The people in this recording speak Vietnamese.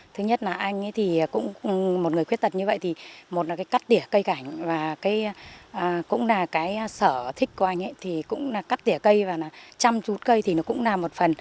thứ nhất là anh ấy thì cũng một người khuyết tật như vậy thì một là cái cắt đĩa cây cảnh và cũng là cái sở thích của anh ấy thì cũng là cắt đĩa cây và là chăm rút cây thì nó cũng là một phần